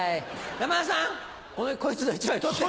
山田さんこいつの１枚取って！